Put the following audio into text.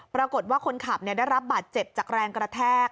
ปรากฏว่าคนขับได้รับบาดเจ็บจากแรงกระแทก